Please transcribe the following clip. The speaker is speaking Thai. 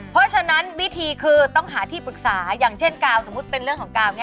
เพราะฉะนั้นวิธีคือต้องหาที่ปรึกษาอย่างเช่นกาวสมมุติเป็นเรื่องของกาวเนี่ย